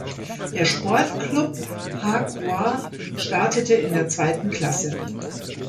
Der Sportclub Hakoah startete in der zweiten Klasse.